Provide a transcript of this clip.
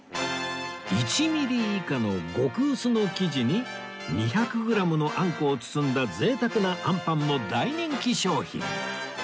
１ミリ以下の極薄の生地に２００グラムのあんこを包んだ贅沢なあんぱんも大人気商品